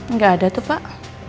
nggak ada tuh pak